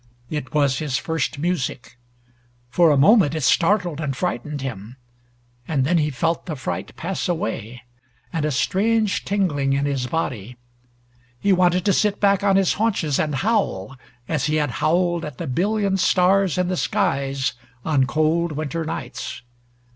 It was his first music. For a moment it startled and frightened him, and then he felt the fright pass away and a strange tingling in his body. He wanted to sit back on his haunches and howl, as he had howled at the billion stars in the skies on cold winter nights.